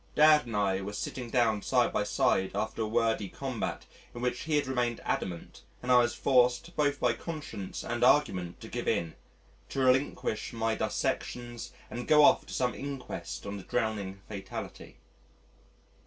Dad and I were sitting down side by side after a wordy combat in which he had remained adamant and I was forced both by conscience and argument to give in, to relinquish my dissections, and go off to some inquest on a drowning fatality.